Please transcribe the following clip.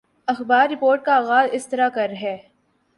اخبار رپورٹ کا آغاز اس طرح کر ہے